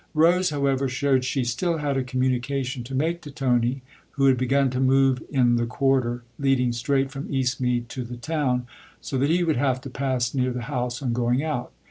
Rose, however, showed she still had a communica tion to make to Tony, who had begun to move in the quarter leading straight from Eastmead to the town, so that he would have to pass near the house on going out.